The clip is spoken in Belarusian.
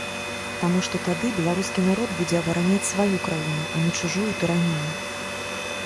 Таму што тады беларускі народ будзе абараняць сваю краіну, а не чужую тыранію.